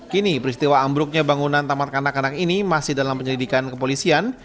kini peristiwa ambruknya bangunan tamat kanak kanak ini masih dalam penyelidikan kepolisian